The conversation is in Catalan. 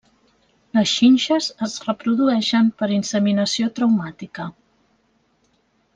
Les xinxes es reprodueixen per inseminació traumàtica.